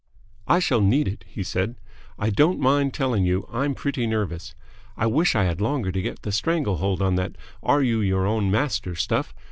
"I shall need it," he said. "I don't mind telling you I'm pretty nervous. I wish I had had longer to get the stranglehold on that 'Are You Your Own Master?' stuff.